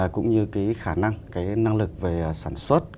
cũng như cái khả năng cái năng lực về sản xuất của ngành dệt may